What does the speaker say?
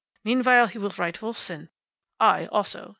Meanwhile he will write Wolfsohn. I also.